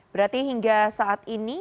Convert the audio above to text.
berarti hingga saat ini